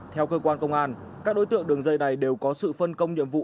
theo cơ quan công an các đối tượng đường dây này đều có sự phân công nhiệm vụ